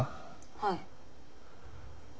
はい。